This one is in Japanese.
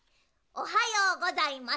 おはようございます！